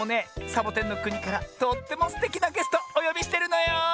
サボテンのくにからとってもすてきなゲストおよびしてるのよ。